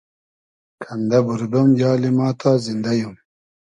کئندۂ بوردۉم یالی ما تا زیندۂ یوم